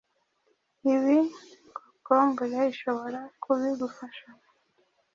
ibi kokombure ishobora kubigufashamo.